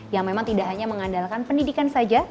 yang memang tidak hanya mengandalkan pendidikan saja